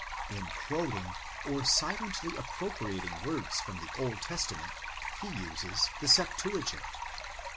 In quoting or silently appropriating words from the Old Testa ment, he uses the Septuagint.